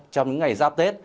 trong những ngày giáp tết